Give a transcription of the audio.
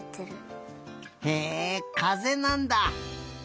へえかぜなんだ。